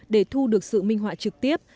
để thu được sự minh họa trực tiếp